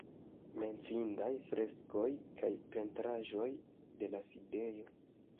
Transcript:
Menciindaj freskoj kaj pentraĵoj de la sidejo.